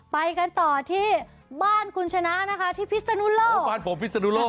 ไปกันต่อที่บ้านคุณชนะนะคะที่พิษโนโลป